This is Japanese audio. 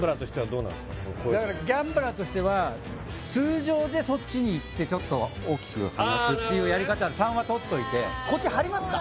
こういうのギャンブラーとしては通常でそっちにいってちょっと大きく離すっていうやり方３はとっといてこっち張りますか？